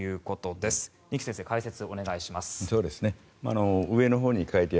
二木先生、解説お願いします。